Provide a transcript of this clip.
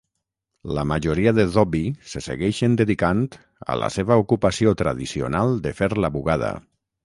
La majoria de dhobi se segueixen dedicant a la seva ocupació tradicional de fer la bugada.